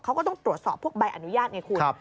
เขาก็ต้องตรวจสอบพวกใบอนุญาตไงคุณ